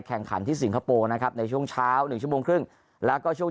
แข่งขันที่สิงคโปร์นะครับในช่วงเช้า๑ชั่วโมงครึ่งแล้วก็ช่วง